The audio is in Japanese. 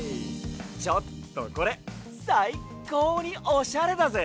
ちょっとこれさいこうにおしゃれだぜ！